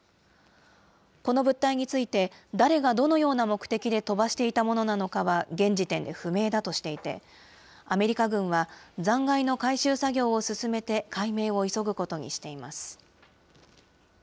この物体について、誰がどのような目的で飛ばしていたものなのかは、現時点で不明だとしていて、アメリカ軍は、残骸の回収作業を進めて、解明を急ぐことにしています。